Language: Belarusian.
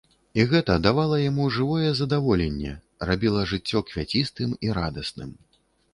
І гэта давала яму жывое здаволенне, рабіла жыццё квяцістым і радасным.